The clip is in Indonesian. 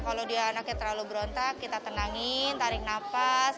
kalau dia anaknya terlalu berontak kita tenangin tarik nafas